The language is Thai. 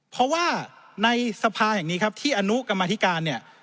เพราะว่าในสภาแห่งนี้ครับที่อนุกรรมธิการเนี่ย